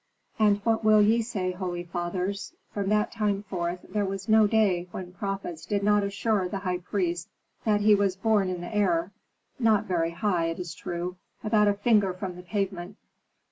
And what will ye say, holy fathers? From that time forth there was no day when prophets did not assure the high priest that he was borne in the air, not very high, it is true, about a finger from the pavement.